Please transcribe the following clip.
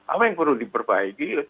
apa yang perlu diperbaiki